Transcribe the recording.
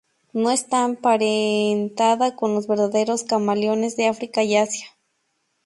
No está emparentada con los verdaderos camaleones de África y Asia.